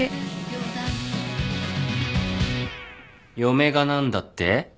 ・嫁が何だって？